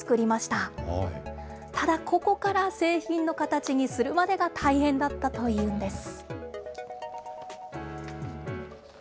ただ、ここから製品の形にするまでが大変だったというんです。